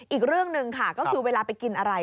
อีกเรื่องหนึ่งค่ะก็คือเวลาไปกินอะไร